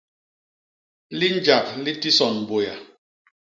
Linjak li tison Buéa.